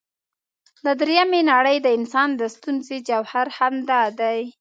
د درېمې نړۍ د انسان د ستونزې جوهر همدا دی.